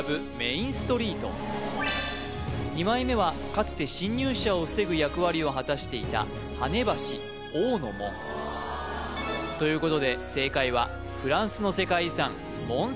２枚目はかつて侵入者を防ぐ役割を果たしていた跳ね橋王の門ということで正解はフランスの世界遺産モン